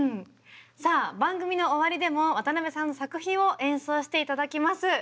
さあ番組の終わりでも渡辺さんの作品を演奏して頂きます。